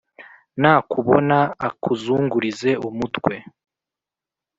nakubona akuzungurize umutwe